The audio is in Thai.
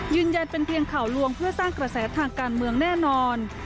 ยืนยันเป็นเพียงข่าวลวงเพื่อสร้างกระแสทางการเมืองแน่นอน